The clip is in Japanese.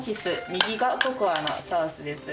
右がココアのソースです。